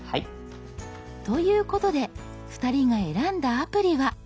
ということで２人が選んだアプリは？